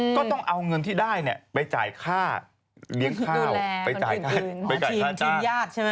ก็ต้องเอาเหินที่ได้นี่ไปจ่ายค่าเลี้ยงข้าวเนี่ย